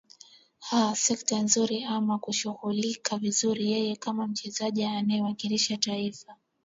aa sekta nzuri ama kushughulikiwa vizuri yeye kama mchezaji anayewakilisha taifa